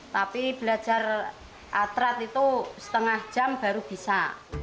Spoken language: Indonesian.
tapi belajar atrat itu setengah jam baru bisa